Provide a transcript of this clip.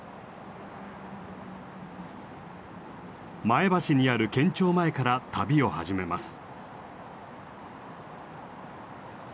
前橋にある県庁前から旅を始めます。